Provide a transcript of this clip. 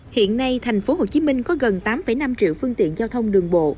hiện nay tp hcm có gần tám năm triệu phương tiện giao thông đường bộ